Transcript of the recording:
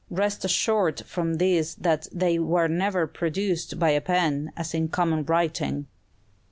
"Rest assured from this that they were never produced by a pen, as in common writing."